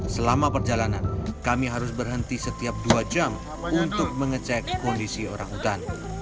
selama perjalanan kami harus berhenti setiap dua jam untuk mengecek kondisi orang hutan